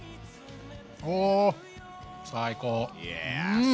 お最高！